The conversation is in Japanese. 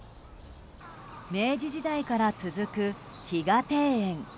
明治時代から続く彼我庭園。